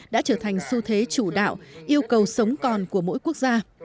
đã trở thành xu thế chủ đạo yêu cầu sống còn của mỗi quốc gia